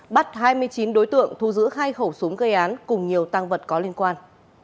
bắt hai mươi chín đối tượng thu giữ hai khẩu súng gây án cùng nhiều tăng vật có liên quan